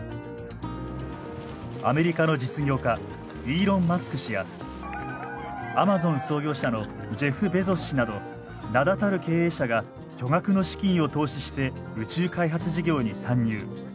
アメリカの実業家イーロン・マスク氏やアマゾン創業者のジェフ・ベゾス氏など名だたる経営者が巨額の資金を投資して宇宙開発事業に参入。